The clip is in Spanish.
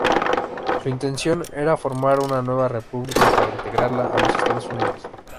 Su intención era formar una nueva república para integrarla a los Estados Unidos.